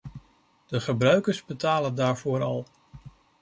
De gebruikers betalen daarvoor al.